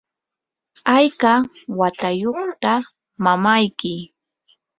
¿hayka watayuqta mamayki?